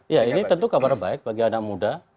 ya ini tentu kabar baik bagi anak muda